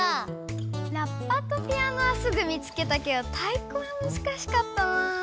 「らっぱ」と「ぴあの」はすぐ見つけたけど「たいこ」はむずかしかったな。